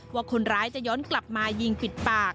ว่าคนร้ายจะย้อนกลับมายิงปิดปาก